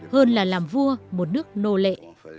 hơn là làm vua một nước nô lệ